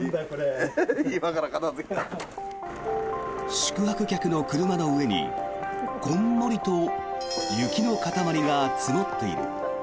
宿泊客の車の上にこんもりと雪の塊が積もっている。